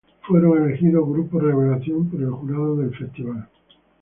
Fueron elegidos Grupo Revelación por el jurado del festival.